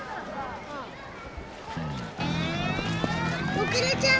おくれちゃう！